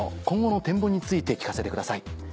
今後の展望について聞かせてください。